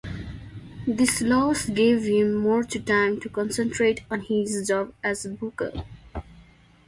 This loss gave him more to time to concentrate on his job as booker.